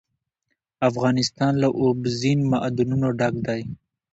افغانستان له اوبزین معدنونه ډک دی.